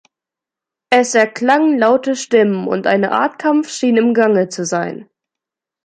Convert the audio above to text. Es erklangen laute Stimmen, und eine Art Kampf schien im Gange zu sein.